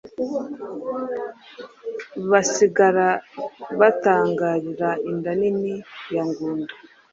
Basigara batangarira inda nini ya Ngunda.